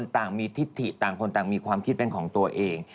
ต่างคนต่างมีความคิดเป็นของตัวเอง